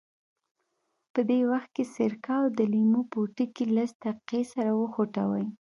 په دې وخت کې سرکه او د لیمو پوټکي لس دقیقې سره وخوټوئ.